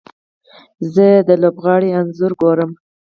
زه د لوبغاړي انځور ګورم.